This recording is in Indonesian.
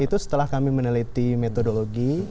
itu setelah kami meneliti metodologi